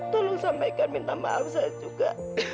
tolong sampaikan minta maaf saya juga